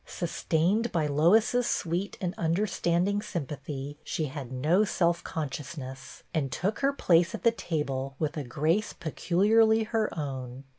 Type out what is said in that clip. Sus tained by Lois's sweet and understanding sympathy, she had no self consciousness, and took her place at the table with a grace pe culiarly her own.